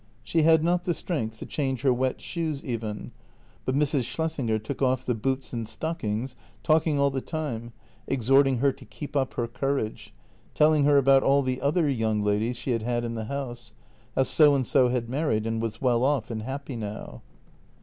She had not the strength to change her wet shoes even, but Mrs. Schlessinger took off the boots and stockings, talking all the time, exhorting her to keep up her courage, telling her about all the other young ladies she had had in the house — how So and so had married and was well off and happy now.